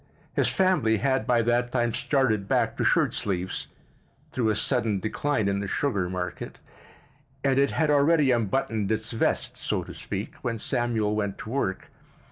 His family had by that time started back to shirt sleeves, through a sudden decline in the sugar market, and it had already unbuttoned its vest, so to speak, when Samuel went to work.